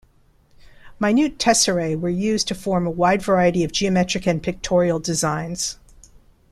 Minute tesserae were used to form a wide variety of geometric and pictorial designs.